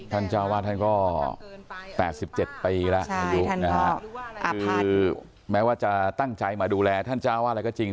เจ้าวาดท่านก็๘๗ปีแล้วอายุนะฮะคือแม้ว่าจะตั้งใจมาดูแลท่านเจ้าว่าอะไรก็จริง